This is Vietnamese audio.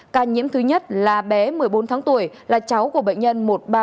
ca nhiễm thứ nhất là bé một mươi bốn tháng tuổi là cháu của bệnh nhân một nghìn ba trăm bốn mươi bảy